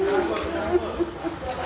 tidak tidak tidak